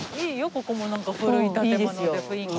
ここもなんか古い建物で雰囲気が。